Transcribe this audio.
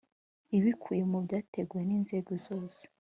ibikuye mu byateguwe n inzego zose